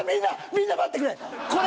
みんな待ってくれ！！